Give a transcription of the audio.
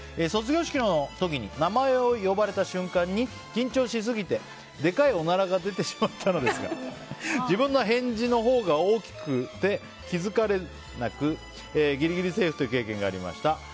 卒業式の時に名前を呼ばれた瞬間に緊張しすぎて、でかいおならが出てしまったのですが自分の返事のほうが大きくて気づかれなくギリギリセーフという経験がありました。